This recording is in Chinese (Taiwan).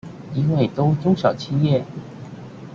因為都中小企業？